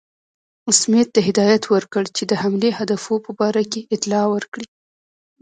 سمیت ته هدایت ورکړ چې د حملې اهدافو په باره کې اطلاع ورکړي.